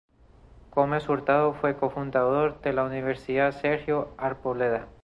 Gómez Hurtado fue Cofundador de la Universidad Sergio Arboleda.